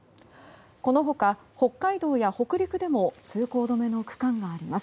この他、北海道や北陸でも通行止めの区間があります。